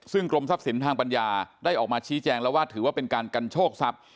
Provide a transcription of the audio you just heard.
ซึ่งกรมทรัพย์สินทางปัญญาได้ออกมาชี้แจงแล้วว่าถือว่าเป็นการกันโชคทรัพย์